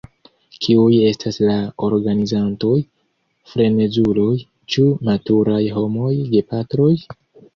Kiuj estas la organizantoj-frenezuloj, ĉu maturaj homoj, gepatroj?